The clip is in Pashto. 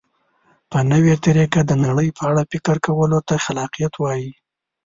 په نوې طریقه د نړۍ په اړه فکر کولو ته خلاقیت وایي.